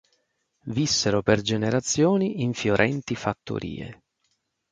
Vissero per generazioni in fiorenti fattorie.